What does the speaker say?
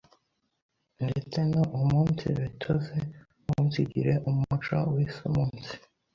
ndetse no umunsibetoze umunsigire umuco w’isuumunsi